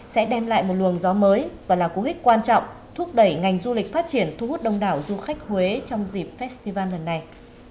sẽ đem lại một luồng gió mới và là cú hích quan trọng thúc đẩy ngành du lịch phát triển thu hút đông đảo du khách huế trong dịp festival lần này